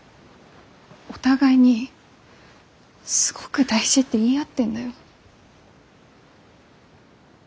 お互いにすごく大事って言い合ってんだよ？